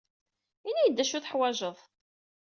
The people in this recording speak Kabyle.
Ini-iyi-d d acu ay teḥwajeḍ.